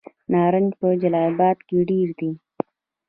نارنج په جلال اباد کې ډیر دی.